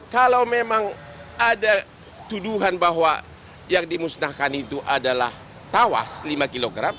kalau memang ada tuduhan bahwa yang dimusnahkan itu adalah tawas lima kg